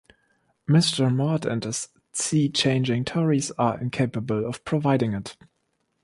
Mr. Maude and his C-Changing Tories are incapable of providing it.